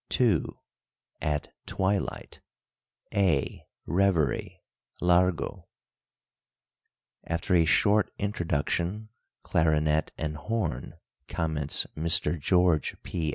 II. AT TWILIGHT (a) REVERY (Largo) "After a short introduction [clarinet and horn]," comments Mr. George P.